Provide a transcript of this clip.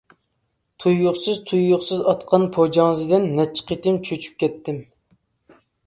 تۇيۇقسىز تۇيۇقسىز ئاتقان پوجاڭزىدىن نەچچە قېتىم چۆچۈپ كەتتىم.